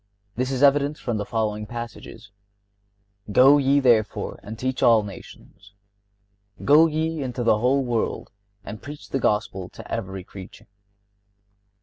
This is evident from the following passages: "Go ye, therefore, and teach all nations."(58) "Go ye into the whole world, and preach the Gospel to every creature."